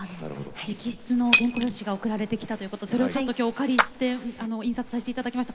直筆の原稿用紙が送られてきたということでそれをちょっと今日お借りして印刷させて頂きました。